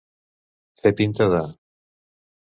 Fer pinta de.